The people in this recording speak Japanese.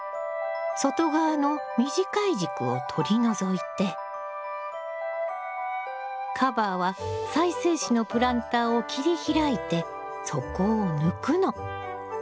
外側の短い軸を取り除いてカバーは再生紙のプランターを切り開いて底を抜くの。